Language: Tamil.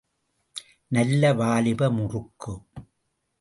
நல்ல வாலிப முறுக்கு.